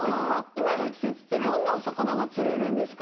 今の季節って、どんなお魚が釣れるんですか。